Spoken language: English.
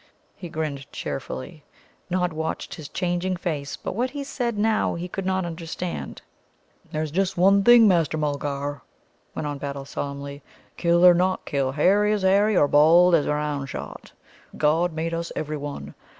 He grinned cheerfully. Nod watched his changing face, but what he said now he could not understand. "There's just one thing, Master Mulgar," went on Battle solemnly. "Kill or not kill, hairy as hairy, or bald as a round shot, God made us every one.